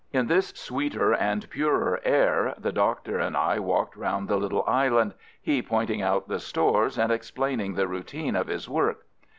In this sweeter and purer air the Doctor and I walked round the little island, he pointing out the stores, and explaining the routine of his work.